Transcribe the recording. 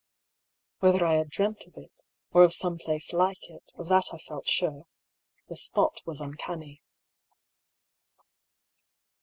Whether I had dreamt of it, or of some place like it, of that I felt sure — the spot was uncanny.